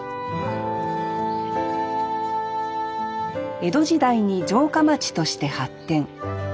江戸時代に城下町として発展。